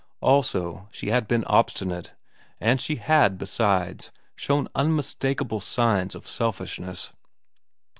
Also she had been obstinate ; and she had, besides, shown un mistakable signs of selfishness.